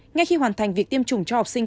ngay khi hoàn thành việc tiêm chủng cho học sinh